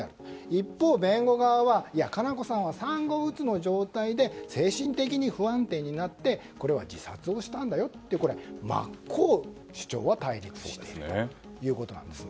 一方、弁護側は佳菜子さんは産後うつの状態で精神的に不安定になってこれは自殺をしたんだよと真っ向から主張は対立しているということなんです。